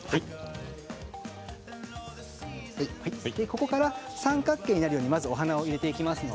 ここから三角形になるようにまず、お花を植えていきます。